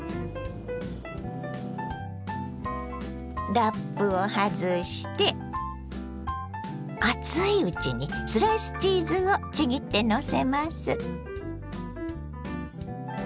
ラップを外して熱いうちにスライスチーズをちぎってのせます。